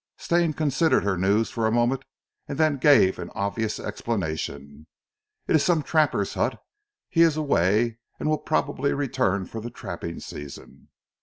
Stane considered her news for a moment and then gave an obvious explanation. "It is some trapper's hut. He is away, and will probably return for the trapping season."